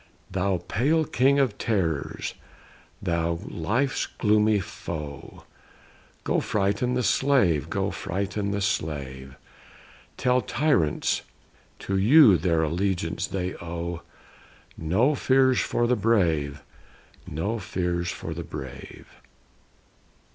"Thou pale king of terrors, thou life's gloomy foe, Go frighten the slave; go frighten the slave; Tell tyrants, to you their allegiance they owe. No fears for the brave; no fears for the brave."